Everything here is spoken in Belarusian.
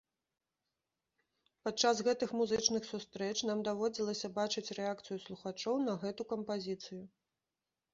Падчас гэтых музычных сустрэч нам даводзілася бачыць рэакцыю слухачоў на гэту кампазіцыю.